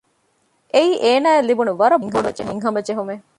އެއީ އޭނާއަށް ލިބުނު ވަރަށް ބޮޑު ހިތްހަމަޖެހުމެއް